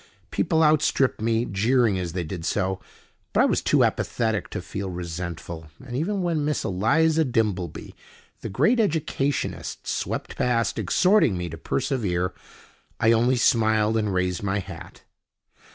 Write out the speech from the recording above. People outstripped me, jeering as they did so, but I was too apathetic to feel resentful, and even when Miss Eliza Dimbleby, the great educationist, swept past, exhorting me to persevere, I only smiled and raised my hat.